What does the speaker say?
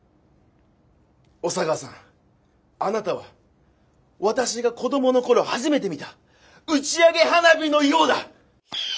小佐川さんあなたは私が子どもの頃初めて見た打ち上げ花火のようだ！